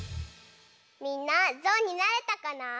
みんなぞうになれたかな？